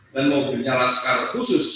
dan mobilnya lascar khusus